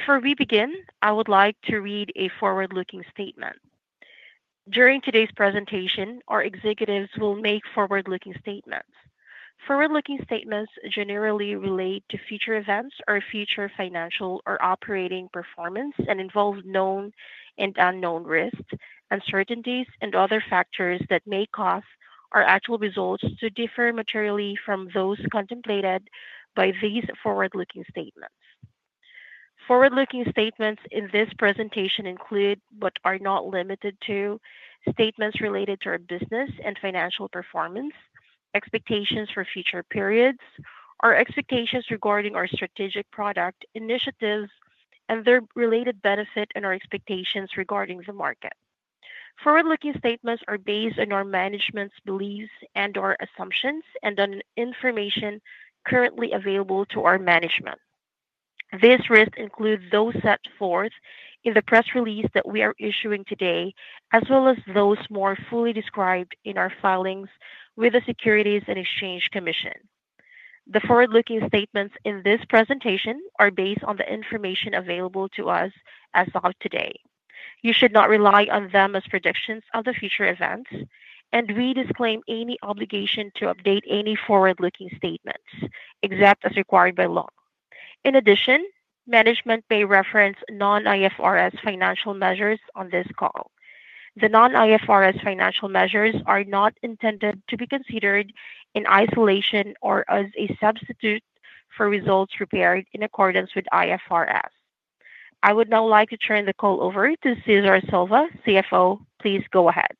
Before we begin, I would like to read a forward-looking statement. During today's presentation, our executives will make forward-looking statements. Forward-looking statements generally relate to future events or future financial or operating performance and involve known and unknown risks, uncertainties, and other factors that may cause our actual results to differ materially from those contemplated by these forward-looking statements. Forward-looking statements in this presentation include, but are not limited to, statements related to our business and financial performance, expectations for future periods, our expectations regarding our strategic product initiatives, and their related benefit and our expectations regarding the market. Forward-looking statements are based on our management's beliefs and/or assumptions and on information currently available to our management. These risks include those set forth in the press release that we are issuing today, as well as those more fully described in our filings with the Securities and Exchange Commission. The forward-looking statements in this presentation are based on the information available to us as of today. You should not rely on them as predictions of future events, and we disclaim any obligation to update any forward-looking statements, except as required by law. In addition, management may reference non-IFRS financial measures on this call. The non-IFRS financial measures are not intended to be considered in isolation or as a substitute for results prepared in accordance with IFRS. I would now like to turn the call over to Cesar Silva, CFO. Please go ahead.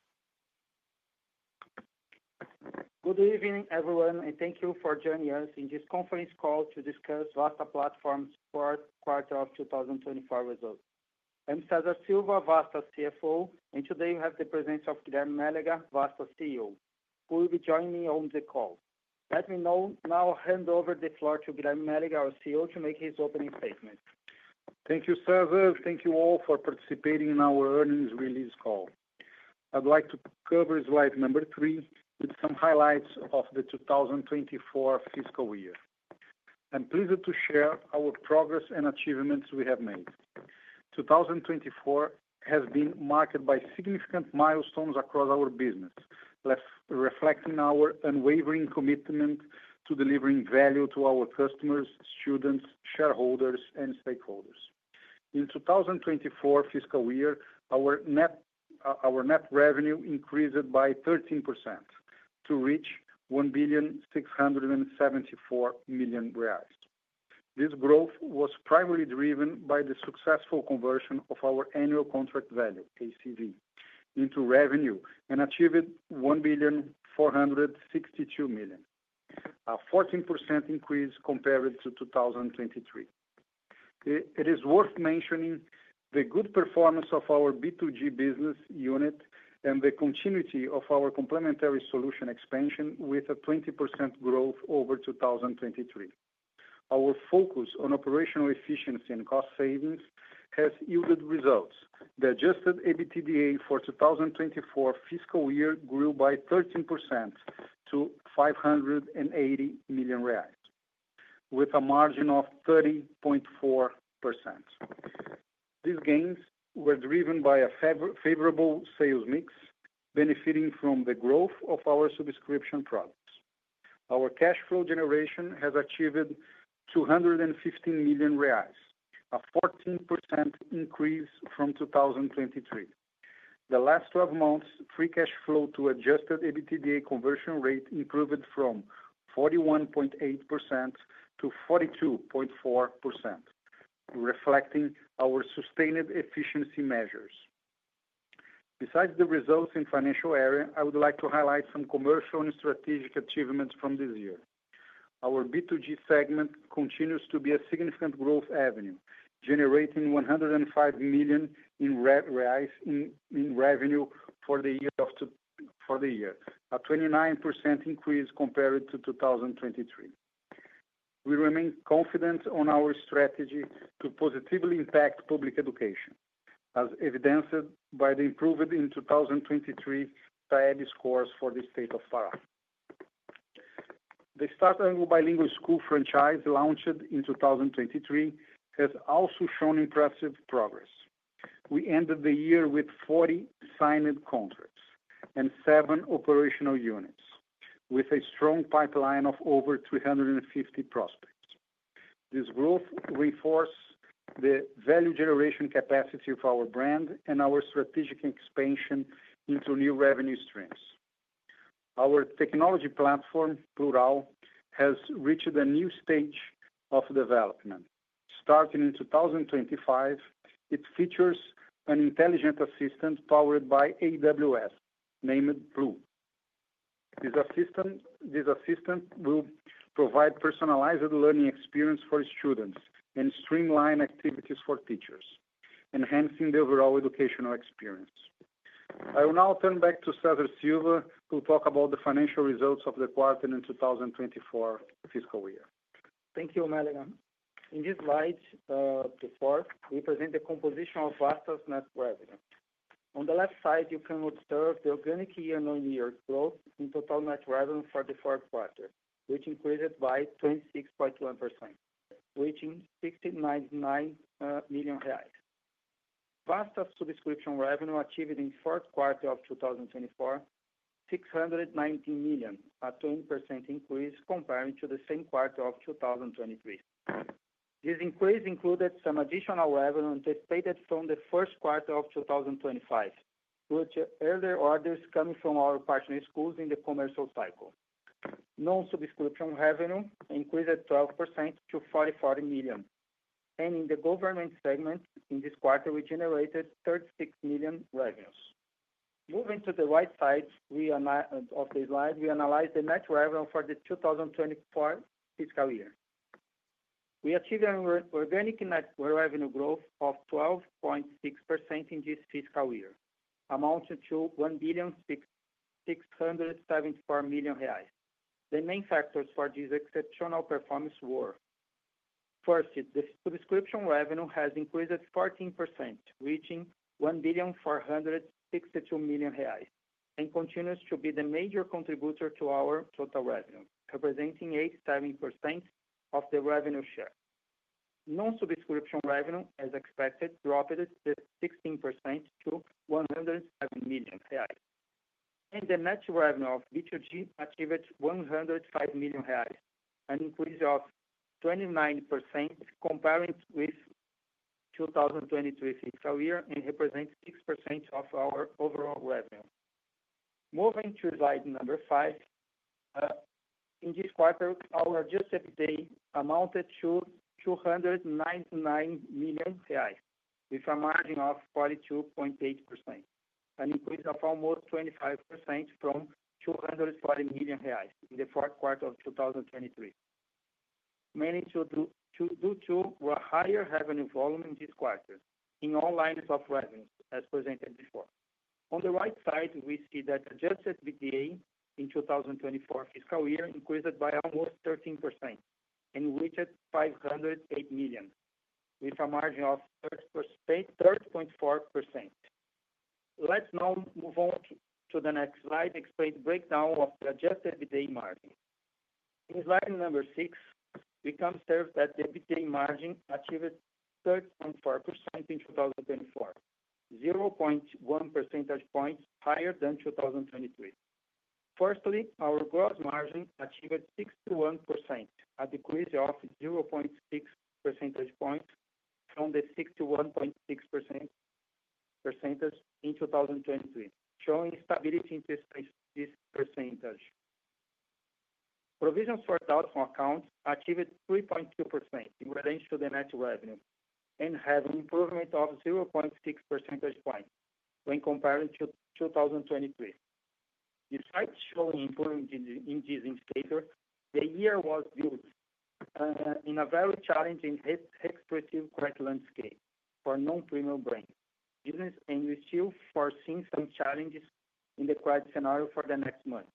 Good evening, everyone, and thank you for joining us in this conference call to discuss Vasta Platform's Q4 of 2024 results. I'm Cesar Silva, Vasta CFO, and today we have the presence of Guilherme Mélega, Vasta CEO, who will be joining me on the call. Let me now hand over the floor to Guilherme Mélega, our CEO, to make his opening statement. Thank you, Cesar. Thank you all for participating in our earnings release call. I'd like to cover slide number three with some highlights of the 2024 fiscal year. I'm pleased to share our progress and achievements we have made. 2024 has been marked by significant milestones across our business, reflecting our unwavering commitment to delivering value to our customers, students, shareholders, and stakeholders. In 2024 fiscal year, our net revenue increased by 13% to reach 1,674 million reais. This growth was primarily driven by the successful conversion of our annual contract value, ACV, into revenue and achieved 1,462 million, a 14% increase compared to 2023. It is worth mentioning the good performance of our B2G business unit and the continuity of our complementary solution expansion with a 20% growth over 2023. Our focus on operational efficiency and cost savings has yielded results. The adjusted EBITDA for the 2024 fiscal year grew by 13% to 580 million reais, with a margin of 30.4%. These gains were driven by a favorable sales mix, benefiting from the growth of our subscription products. Our cash flow generation has achieved 215 million reais, a 14% increase from 2023. The last 12 months' free cash flow to adjusted EBITDA conversion rate improved from 41.8% to 42.4%, reflecting our sustained efficiency measures. Besides the results in the financial area, I would like to highlight some commercial and strategic achievements from this year. Our B2G segment continues to be a significant growth avenue, generating 105 million in revenue for the year, a 29% increase compared to 2023. We remain confident in our strategy to positively impact public education, as evidenced by the improvement in 2023 SAEB scores for the state of Pará. The Start Anglo Bilingual School franchise launched in 2023 has also shown impressive progress. We ended the year with 40 signed contracts and 7 operational units, with a strong pipeline of over 350 prospects. This growth reinforces the value generation capacity of our brand and our strategic expansion into new revenue streams. Our technology platform, Plurall, has reached a new stage of development. Starting in 2025, it features an intelligent assistant powered by AWS, named Plu. This assistant will provide personalized learning experiences for students and streamline activities for teachers, enhancing the overall educational experience. I will now turn back to Cesar Silva, who will talk about the financial results of the quarter in the 2024 fiscal year. Thank you, Mélega. In this slide before, we present the composition of Vasta's net revenue. On the left side, you can observe the organic year-on-year growth in total net revenue for the Q4, which increased by 26.1%, reaching BRL 699 million. Vasta's subscription revenue achieved in the Q4 of 2024 was 619 million, a 20% increase compared to the same quarter of 2023. This increase included some additional revenue anticipated from the Q1 of 2025, with earlier orders coming from our partner schools in the commercial cycle. Non-subscription revenue increased 12% to 44 million, and in the government segment, in this quarter, we generated 36 million revenues. Moving to the right side of the slide, we analyze the net revenue for the 2024 fiscal year. We achieved an organic net revenue growth of 12.6% in this fiscal year, amounting to 1,674 million reais. The main factors for this exceptional performance were: first, the subscription revenue has increased 14%, reaching 1,462 million reais, and continues to be the major contributor to our total revenue, representing 87% of the revenue share. Non-subscription revenue, as expected, dropped 16% to 107 million reais, and the net revenue of B2G achieved 105 million reais, an increase of 29% compared with the 2023 fiscal year and represents 6% of our overall revenue. Moving to slide number five, in this quarter, our adjusted EBITDA amounted to 299 million reais, with a margin of 42.8%, an increase of almost 25% from 240 million reais in the Q4 of 2023. Mainly due to a higher revenue volume in this quarter in all lines of revenue, as presented before. On the right side, we see that the adjusted EBITDA in the 2024 fiscal year increased by almost 13% and reached 508 million, with a margin of 30.4%. Let's now move on to the next slide to explain the breakdown of the adjusted EBITDA margin. In slide number six, we can observe that the EBITDA margin achieved 13.4% in 2024, 0.1 percentage points higher than 2023. Firstly, our gross margin achieved 61%, a decrease of 0.6 percentage points from the 61.6% in 2023, showing stability in this percentage. Provisions for doubtful accounts achieved 3.2% in relation to the net revenue and had an improvement of 0.6 percentage points when compared to 2023. Despite showing improvement in this indicator, the year was built in a very challenging and expensive credit landscape for non-premium brands. Business and we still foresee some challenges in the credit scenario for the next month.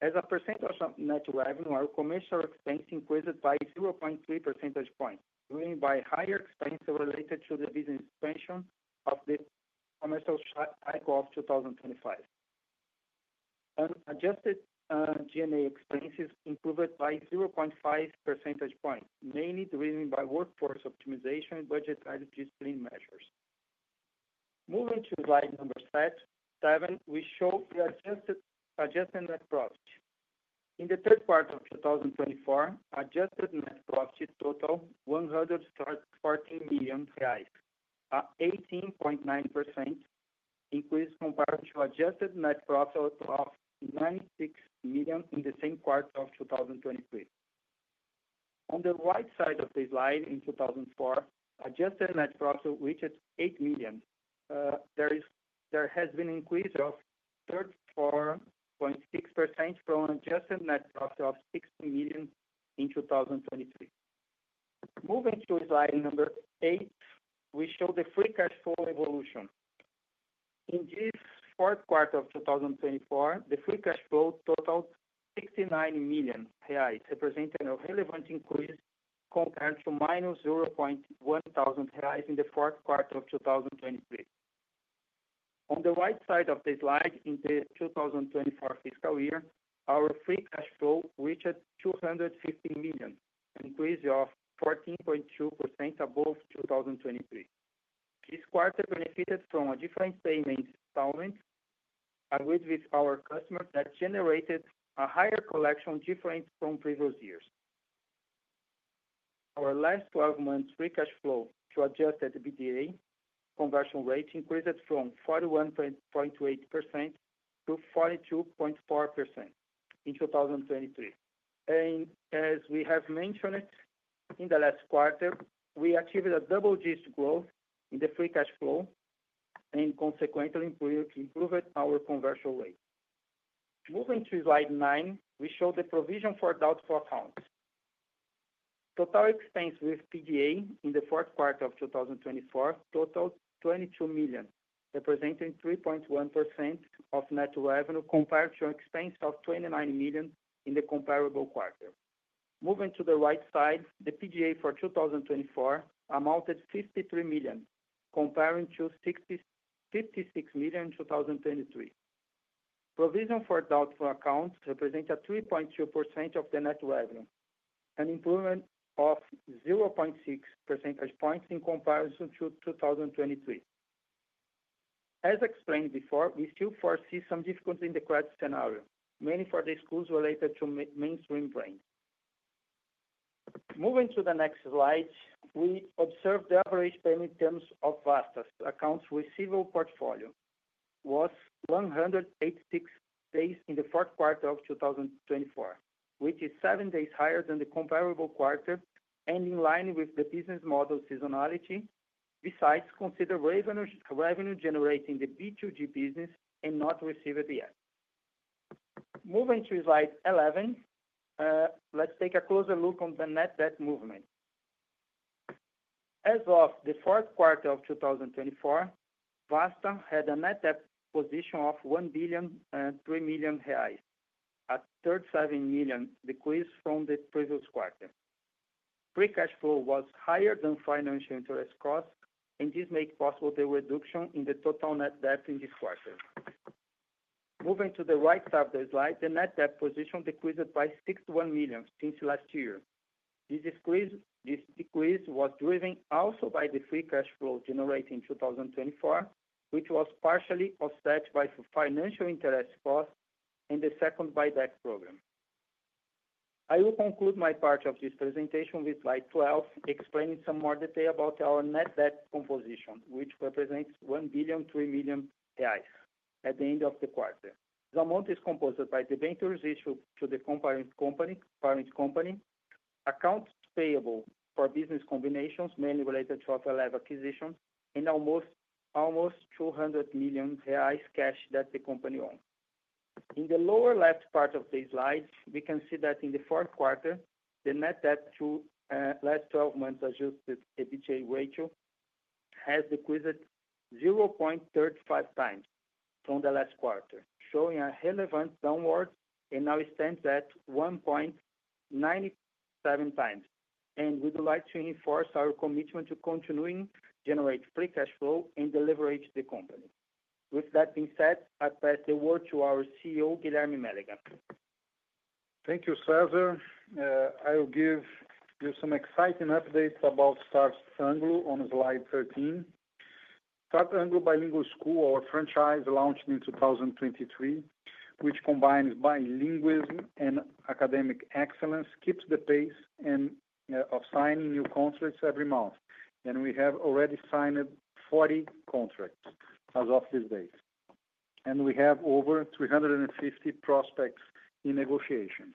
As a percentage of net revenue, our commercial expense increased by 0.3 percentage points, driven by higher expenses related to the business expansion of the commercial cycle of 2025. Unadjusted G&A expenses improved by 0.5 percentage points, mainly driven by workforce optimization and budget adjustment measures. Moving to slide number seven, we show the adjusted net profit. In the Q3 of 2024, adjusted net profit totaled 114 million reais, an 18.9% increase compared to adjusted net profit of 96 million in the same quarter of 2023. On the right side of the slide in 2024, adjusted net profit reached 8 million. There has been an increase of 34.6% from adjusted net profit of 60 million in 2023. Moving to slide number eight, we show the free cash flow evolution. In this Q4 of 2024, the free cash flow totaled 69 million reais, representing a relevant increase compared to minus 0.1000 reais in the Q4 of 2023. On the right side of the slide, in the 2024 fiscal year, our free cash flow reached 250 million, an increase of 14.2% above 2023. This quarter benefited from a different payment settlement agreed with our customers that generated a higher collection different from previous years. Our last 12 months' free cash flow to adjusted EBITDA conversion rate increased from 41.8% to 42.4% in 2023. As we have mentioned, in the last quarter, we achieved a double-digit growth in the free cash flow and consequently improved our conversion rate. Moving to slide nine, we show the provision for doubtful accounts. Total expense with PDA in the Q4 of 2024 totaled 22 million, representing 3.1% of net revenue compared to an expense of 29 million in the comparable quarter. Moving to the right side, the PDA for 2024 amounted to 53 million, compared to 56 million in 2023. Provision for doubtful accounts represented 3.2% of the net revenue, an improvement of 0.6 percentage points in comparison to 2023. As explained before, we still foresee some difficulties in the credit scenario, mainly for the schools related to mainstream brands. Moving to the next slide, we observe the average payment terms of Vasta's accounts receivable portfolio was186 days in the Q4 of 2024, which is seven days higher than the comparable quarter and in line with the business model seasonality. Besides, consider revenue generated in the B2G business and not received yet. Moving to slide 11, let's take a closer look at the net debt movement. As of the Q4 of 2024, Vasta had a net debt position of 1.3 billion, a 37 million decrease from the previous quarter. Free cash flow was higher than financial interest costs, and this made possible the reduction in the total net debt in this quarter. Moving to the right side of the slide, the net debt position decreased by 61 million since last year. This decrease was driven also by the free cash flow generated in 2024, which was partially offset by financial interest costs and the second buyback program. I will conclude my part of this presentation with slide 12, explaining some more detail about our net debt composition, which represents 1.3 billion at the end of the quarter. The amount is composed by debenture issued to the parent company, accounts payable for business combinations, mainly related to off-and-lab acquisitions, and almost 200 million reais cash that the company owns. In the lower left part of the slide, we can see that in the Q4, the net debt to last 12 months adjusted EBITDA ratio has decreased 0.35 times from the last quarter, showing a relevant downward and now stands at 1.97 times. We would like to enforce our commitment to continuing to generate free cash flow and deleverage the company. With that being said, I pass the word to our CEO, Guilherme Mélega. Thank you, Cesar. I will give you some exciting updates about Start Anglo on slide 13. Start Anglo Bilingual School, our franchise launched in 2023, which combines bilingualism and academic excellence, keeps the pace of signing new contracts every month. We have already signed 40 contracts as of this date and we have over 350 prospects in negotiation.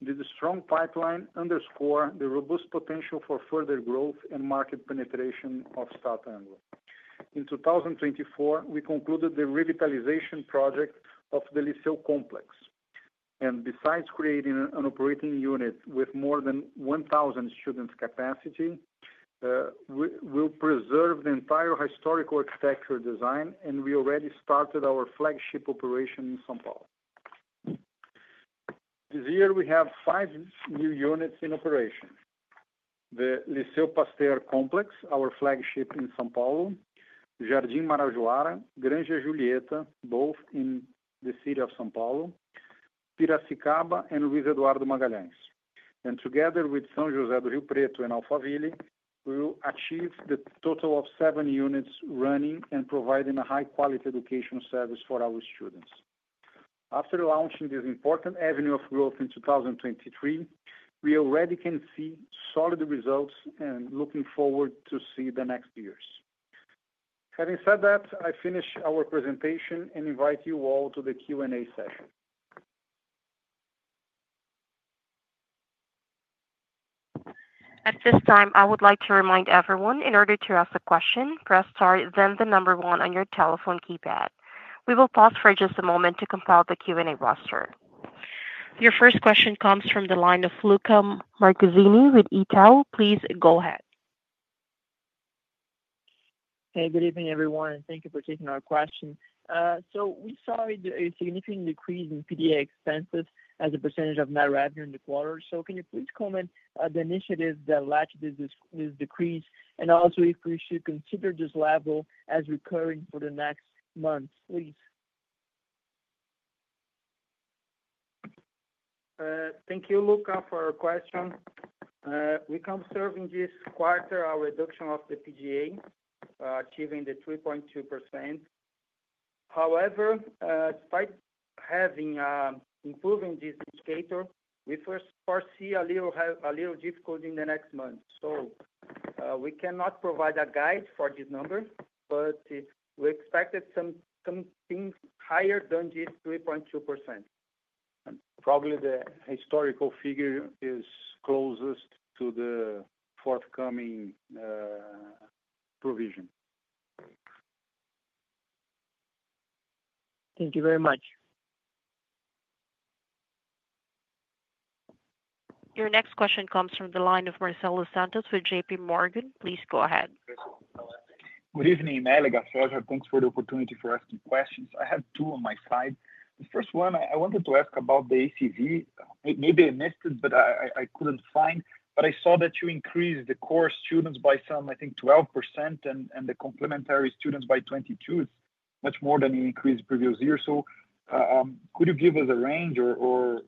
This strong pipeline underscores the robust potential for further growth and market penetration of Start Anglo. In 2024, we concluded the revitalization project of the Liceu Complex. Besides creating an operating unit with more than 1,000 students' capacity, we will preserve the entire historical architecture design, and we already started our flagship operation in São Paulo. This year, we have five new units in operation: the Liceu Pasteur Complex, our flagship in São Paulo; Jardim Marajoara, Granja Julieta, both in the city of São Paulo; Piracicaba, and Luiz Eduardo Magalhães. Together with São José do Rio Preto and Alphaville, we will achieve the total of seven units running and providing a high-quality education service for our students. After launching this important avenue of growth in 2023, we already can see solid results and are looking forward to seeing the next years. Having said that, I finish our presentation and invite you all to the Q&A session. At this time, I would like to remind everyone, in order to ask a question, press star then the number one on your telephone keypad. We will pause for just a moment to compile the Q&A roster. Your first question comes from the line of Luca Marquezini with Itaú. Please go ahead. Hey, good evening, everyone. Thank you for taking our question. We saw a significant decrease in PDA expenses as a percentage of net revenue in the quarter. Can you please comment on the initiative that led to this decrease? Also, if we should consider this level as recurring for the next month, please. Thank you, Luca, for your question. We come, serving this quarter, our reduction of the PDA achieving the 3.2%. However, despite having improved this indicator, we foresee a little difficulty in the next month. We cannot provide a guide for this number, but we expected some things higher than this 3.2%. Probably the historical figure is closest to the forthcoming provision. Thank you very much. Your next question comes from the line of Marcelo Santos with JPMorgan. Please go ahead. Good evening, Mélega. Cesar, thanks for the opportunity for asking questions. I have two on my side. The first one, I wanted to ask about the ACV. Maybe I missed it, but I couldn't find. I saw that you increased the core students by some, I think, 12%, and the complementary students by 22%, much more than you increased previous year. Could you give us a range or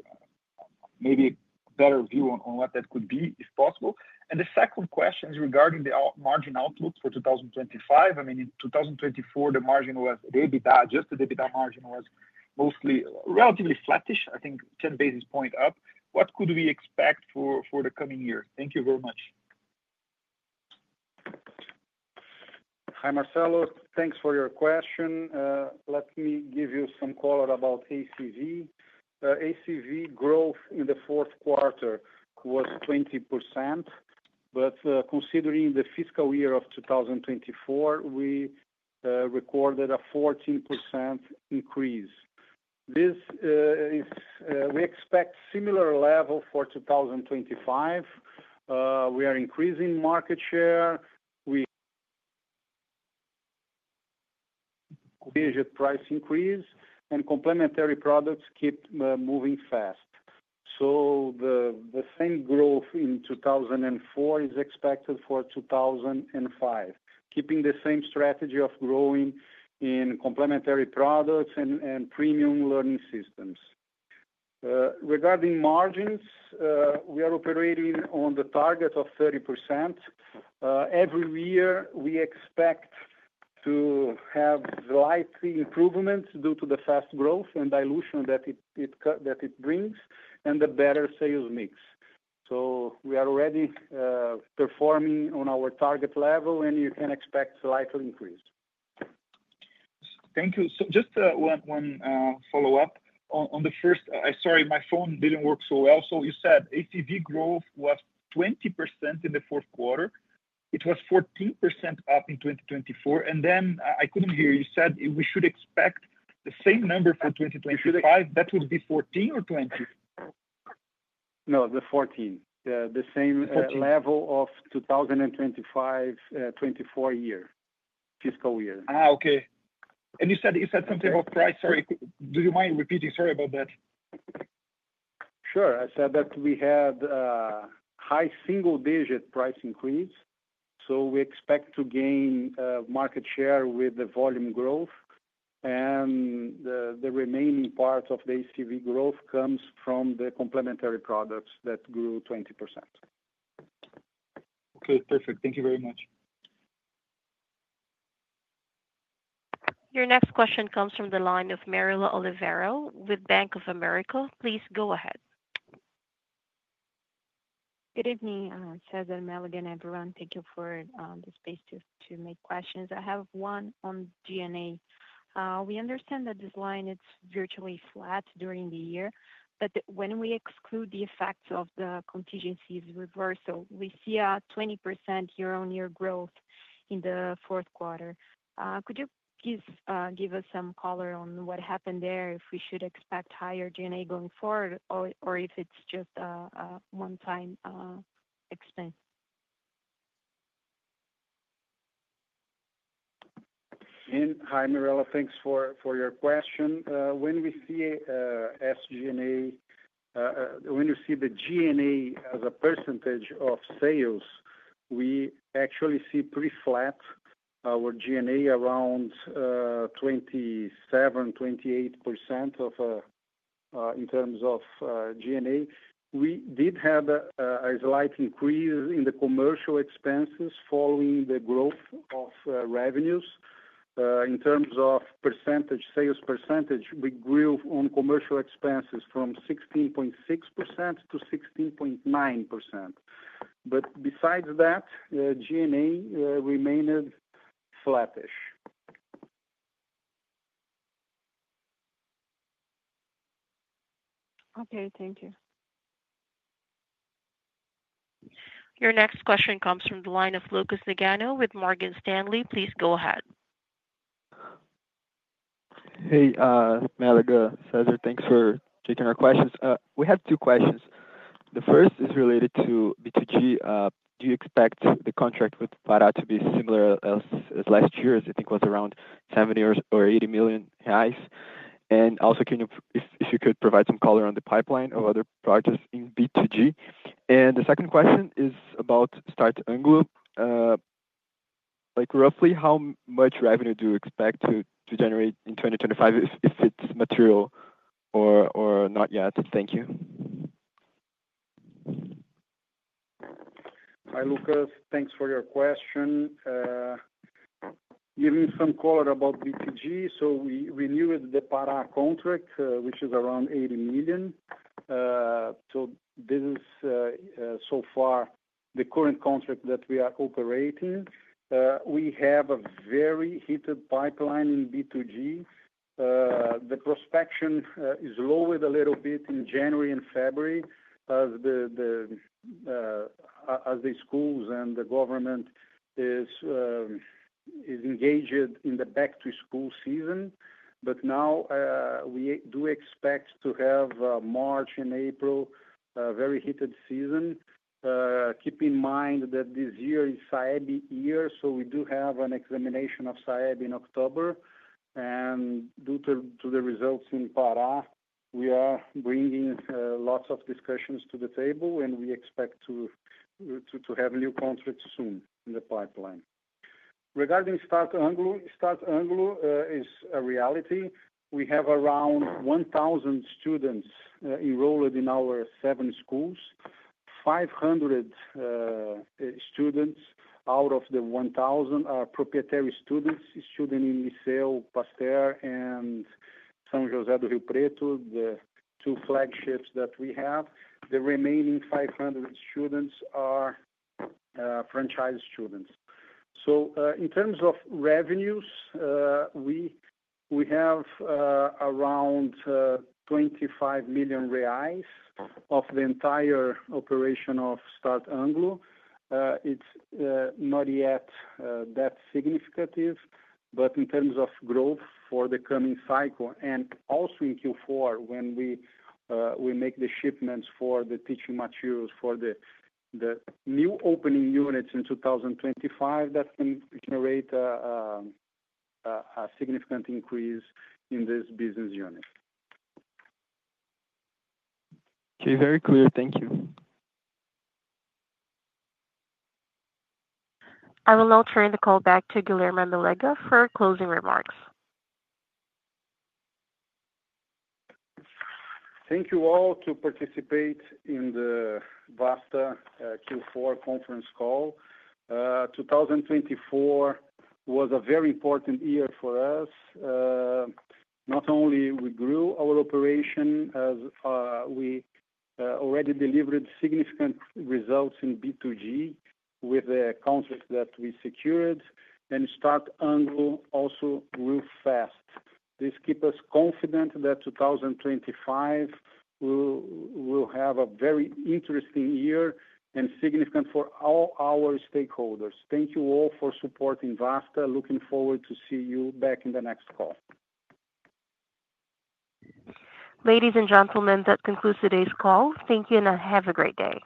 maybe a better view on what that could be, if possible? The second question is regarding the margin outlook for 2025. I mean, in 2024, the margin was EBITDA, adjusted EBITDA margin was mostly relatively flattish, I think 10 basis points up. What could we expect for the coming year? Thank you very much. Hi, Marcelo. Thanks for your question. Let me give you some color about ACV. ACV growth in the Q4 was 20%. Considering the fiscal year of 2024, we recorded a 14% increase. We expect a similar level for 2025. We are increasing market share. We measured price increase, and complementary products keep moving fast. The same growth in 2024 is expected for 2025, keeping the same strategy of growing in complementary products and premium learning systems. Regarding margins, we are operating on the target of 30%. Every year, we expect to have slight improvements due to the fast growth and dilution that it brings and the better sales mix. We are already performing on our target level, and you can expect a slight increase. Thank you. Just one follow-up. On the first, sorry, my phone did not work so well. You said ACV growth was 20% in the Q4. It was 14% up in 2024. I could not hear. You said we should expect the same number for 2025. That would be 14 or 20? No, the 14. The same level of 2024-2025 year, fiscal year. Okay. You said something about price. Sorry, do you mind repeating? Sorry about that. Sure. I said that we had a high single-digit price increase. We expect to gain market share with the volume growth. The remaining part of the ACV growth comes from the complementary products that grew 20%. Okay, perfect. Thank you very much. Your next question comes from the line of Mirela Oliveria with Bank of America. Please go ahead. Good evening, Cesar, Mélega, and everyone. Thank you for the space to make questions. I have one on G&A. We understand that this line is virtually flat during the year, but when we exclude the effects of the contingency reversal, we see a 20% year-on-year growth in the Q4. Could you please give us some color on what happened there, if we should expect higher G&A going forward, or if it's just a one-time expense? Hi, Marilla. Thanks for your question. When we see SG&A, when you see the G&A as a percentage of sales, we actually see pretty flat. Our G&A around 27%-28% in terms of G&A. We did have a slight increase in the commercial expenses following the growth of revenues. In terms of sales percentage, we grew on commercial expenses from 16.6% to 16.9%. Besides that, G&A remained flattish. Okay, thank you. Your next question comes from the line of Lucas Nagano with Morgan Stanley. Please go ahead. Hey, Mélega, Cesar, thanks for taking our questions. We have two questions. The first is related to B2G. Do you expect the contract with Vasta to be similar as last year's, I think it was around 70 million to 80 million? If you could provide some color on the pipeline of other projects in B2G. The second question is about Start Anglo. Roughly, how much revenue do you expect to generate in 2025, if it's material or not yet? Thank you. Hi, Lucas. Thanks for your question. Giving some color about B2G, we knew with the Pará contract, which is around 80 million. This is so far the current contract that we are operating. We have a very heated pipeline in B2G. The prospection is lowered a little bit in January and February as the schools and the government are engaged in the back-to-school season. Now, we do expect to have March and April as a very heated season. Keep in mind that this year is SAEB year, so we do have an examination of SAEB in October. Due to the results in Pará, we are bringing lots of discussions to the table, and we expect to have new contracts soon in the pipeline. Regarding Start Anglo, Start Anglo is a reality. We have around 1,000 students enrolled in our seven schools. 500 students out of the 1,000 are proprietary students, students in Liceo Pasteur and São José do Rio Preto, the two flagships that we have. The remaining 500 students are franchise students. In terms of revenues, we have around 25 million reais of the entire operation of Start Anglo. It is not yet that significant, but in terms of growth for the coming cycle and also in Q4, when we make the shipments for the teaching materials for the new opening units in 2025, that can generate a significant increase in this business unit. Okay, very clear. Thank you. I will now turn the call back to Guilherme Mélega for closing remarks. Thank you all to participate in the Vasta Q4 conference call. 2024 was a very important year for us. Not only we grew our operation, we already delivered significant results in B2G with the contracts that we secured, and Start Anglo also grew fast. This keeps us confident that 2025 will have a very interesting year and significant for all our stakeholders. Thank you all for supporting Vasta. Looking forward to seeing you back in the next call. Ladies and gentlemen, that concludes today's call. Thank you and have a great day.